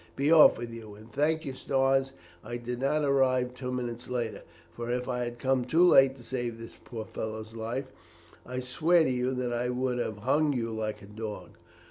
Be off with you, and thank your stars I did not arrive ten minutes later; for if I had come too late to save this poor fellow's life, I swear to you that I would have hung you like a dog.